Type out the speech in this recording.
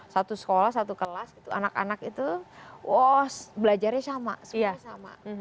satu sekolah satu kelas anak anak itu wos belajarnya sama